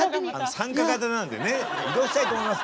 参加型なんでね「移動したいと思います」